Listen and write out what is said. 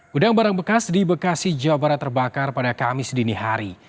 gudang barang bekas di bekasi jawa barat terbakar pada kamis dini hari